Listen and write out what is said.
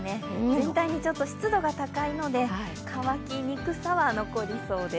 全体に湿度が高いので、乾きにくさは残りそうです。